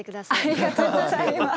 ありがとうございます。